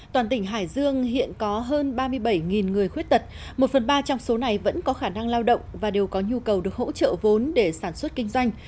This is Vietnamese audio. toàn tỉnh hải dương hiện có hơn ba mươi bảy người khuyết tật một phần ba trong số này vẫn có khả năng lao động và đều có nhu cầu được hỗ trợ vốn để sản xuất kinh doanh